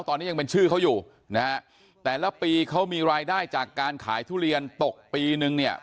ตอนนี้ยังเป็นชื่อเขาอยู่นะฮะแต่ละปีเขามีรายได้จากการขายทุเรียนตกปีนึงเนี่ย